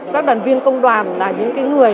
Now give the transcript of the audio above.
các đoàn viên công đoàn là những người